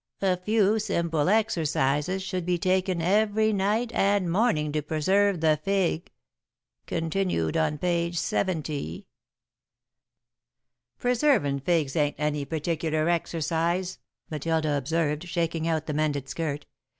A few simple exercises should be taken every night and morning to preserve the fig Continued on page seventy.'" "Preservin' figs ain't any particular exercise," Matilda observed, shaking out the mended skirt.